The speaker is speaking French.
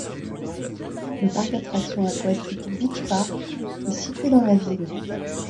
Le parc d'attractions aquatiques Beach Park est situé dans la ville.